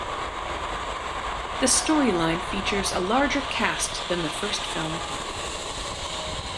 The storyline features a larger cast than the first film.